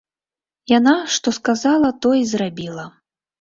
Яна, што сказала, тое й зрабіла.